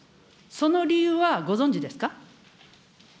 その理由はご存じですか。